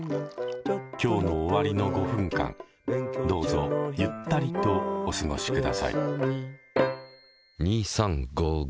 今日の終わりの５分間どうぞゆったりとお過ごしください。